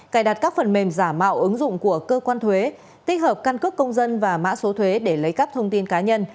cài đặt các phần mềm giả mạo ứng dụng của cơ quan thuế tích hợp căn cước công dân và mã số thuế để lấy cắp thông tin cá nhân